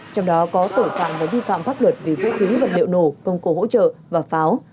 trong đó có tội phạm và vi phạm pháp luật về vũ khí vật liệu nổ công cụ hỗ trợ và pháo